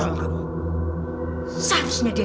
kamu harusnya berdiri